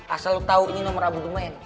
asal lu tahu ini nomor abu duman